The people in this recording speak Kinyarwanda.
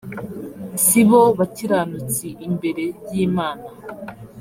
si bo bakiranutsi imbere y imana